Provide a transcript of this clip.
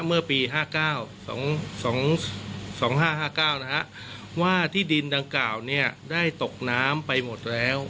เมื่อปีห้าเก้าสองสองสองห้าห้าเก้านะฮะว่าที่ดินดังกล่าวเนี้ยได้ตกน้ำไปหมดแล้ว